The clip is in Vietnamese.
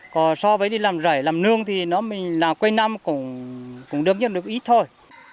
còn so với đi làm rải làm nương thì nó mình làm quay năm cũng được nhất được ít thôi